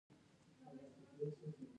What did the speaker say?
د پیرودونکي باور د انسان وقار دی.